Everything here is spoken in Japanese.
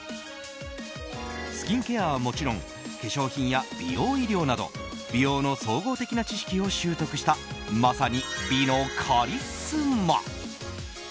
スキンケアはもちろん化粧品や美容医療など美容の総合的な知識を習得したまさに美のカリスマ。